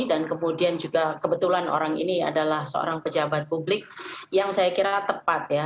dan kemudian juga kebetulan orang ini adalah seorang pejabat publik yang saya kira tepat ya